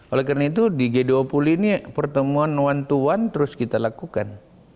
oleh karena itu di g dua puluh ini pertemuan one to one terus kita lakukan